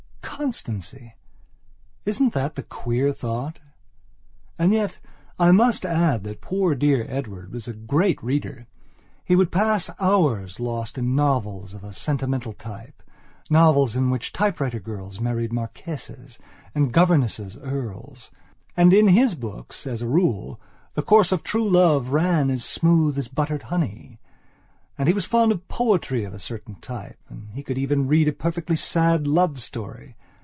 Constancy! Isn't that the queer thought? And yet, I must add that poor dear Edward was a great readerhe would pass hours lost in novels of a sentimental typenovels in which typewriter girls married Marquises and governesses Earls. And in his books, as a rule, the course of true love ran as smooth as buttered honey. And he was fond of poetry, of a certain typeand he could even read a perfectly sad love story.